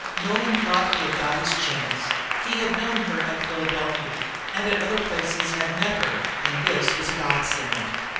Nolan thought he had got his chance. He had known her at Philadelphia, and at other places had met her, and this was a Godsend.